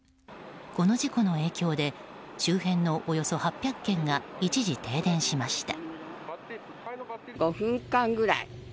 この事故の影響で周辺のおよそ８００軒が一時停電しました。